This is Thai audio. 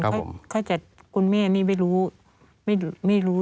เขาจะคุณแม่นี่ไม่รู้